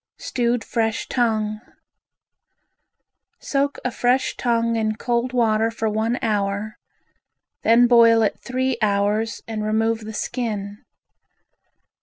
Stewed Fresh Tongue Soak a fresh tongue in cold water for one hour, then boil it three hours and remove the skin.